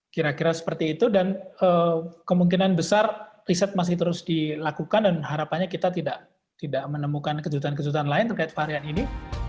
kira kira seperti itu dan kemungkinan besar riset masih terus dilakukan dan harapannya kita tidak menemukan kejutan kejutan lain terkait varian ini